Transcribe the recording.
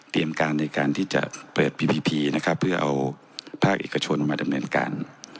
การในการที่จะเปิดพีพีพีนะครับเพื่อเอาภาคเอกชนมาดำเนินการ